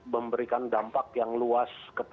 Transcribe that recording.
memberikan dampak yang luas